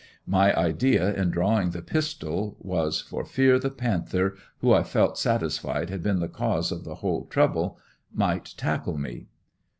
My idea in drawing the pistol was, for fear the panther, who I felt satisfied had been the cause of the whole trouble, might tackle me.